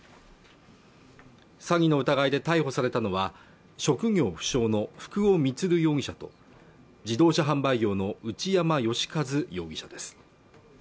詐欺の疑いで逮捕されたのは職業不詳の冨久尾満容疑者と自動車販売業の内山義一容疑者です